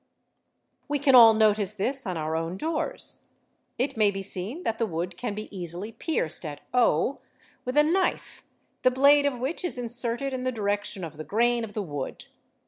We can all notice this on our own doors. It may be seen that the wood can be easily pierced at o with a knife, the blade of which is inserted in the direction of the grain of the wood.